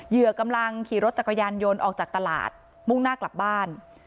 เหยื่อกำลังขี่รถจักรยานยนต์ออกจากตลาดมุ่งหน้ากลับบ้าน